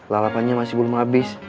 lalapannya masih belum habis